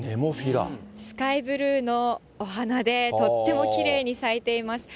スカイブルーのお花で、とってもきれいに咲いています。